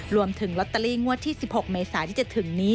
รวมถึงลอตเตอรี่งวดที่๑๖เมษาที่จะถึงนี้